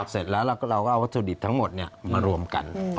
เสร็จแล้วเราก็เอาวัตถุดิบทั้งหมดมารวมกัน